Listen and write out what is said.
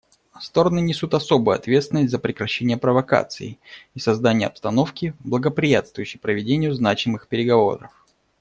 Стороны несут особую ответственность за прекращение провокаций и создание обстановки, благоприятствующей проведению значимых переговоров.